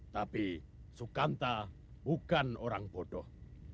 tapi sukanta bukan orang bodoh